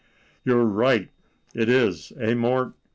"You are right; it is—eh, Mort?"